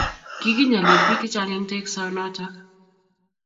kikiinyalil biik chechjang eng tekso notok